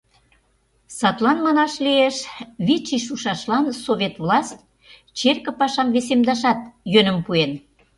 Садлан, манаш лиеш, вич ий шушашлан совет власть черке пашам весемдашат йӧным пуэн.